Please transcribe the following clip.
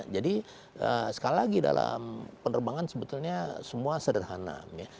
jadi sekali lagi dalam penerbangan sebetulnya semua sederhana